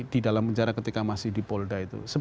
di dalam penjara ketika masih di polda itu